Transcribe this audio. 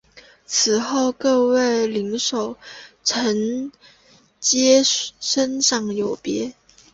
此后各位将领守臣皆升赏有别。